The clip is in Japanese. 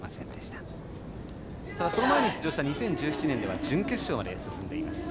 ただ、その前に出場した２０１７年では準決勝まで進んでいます。